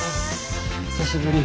久しぶり。